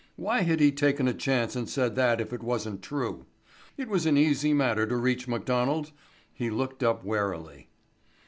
Why had he taken a chance and said that if it wasn't true? It was an easy matter to reach McDonald. He looked up warily.